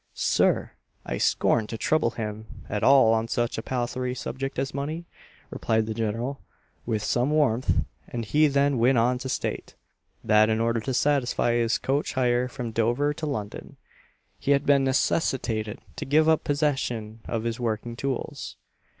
"Sir! I scorned to trouble him at all on such a palthry subject as money," replied the general, with some warmth; and he then went on to state, that in order to satisfy his coach hire from Dover to London, he had been necessitated to give up possession of his working tools.